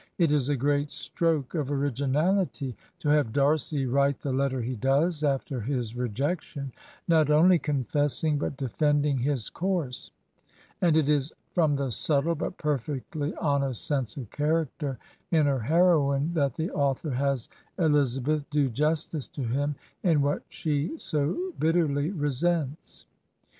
It is a great stroke ' of originahty to have Darcy write the letter he does after his rejection, not only confessing, but defending his course; and it is from the subtle but perfectly honest sense of character in her heroine that the author has Elizabeth do justice to him in what she so bitterly re sents.